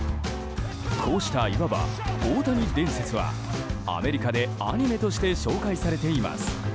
こうした、いわば大谷伝説はアメリカでアニメとして紹介されています。